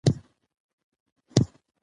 دوی مڼې وخوړلې.